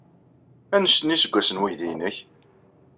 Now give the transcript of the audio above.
Anect iseggasen n weydi-nnek?